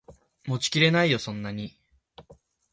持ちきれないよそんなに